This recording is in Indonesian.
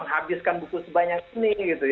habiskan buku sebanyak ini